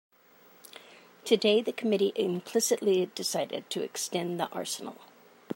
Today the committee implicitly decided to extend the arsenal.